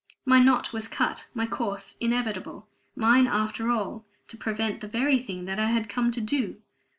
My knot was cut my course inevitable. Mine, after all, to prevent the very thing that I had come to do!